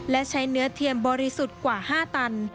และใช้เนื้อเทียมบริสุทธิ์กว่า๕ตัน